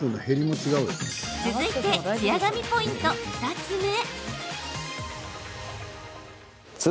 続いてツヤ髪ポイント２つ目。